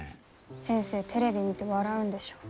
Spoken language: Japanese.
先生テレビ見て笑うんでしょ。